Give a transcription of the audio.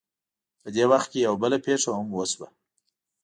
په دې وخت کې یوه بله پېښه هم وشوه.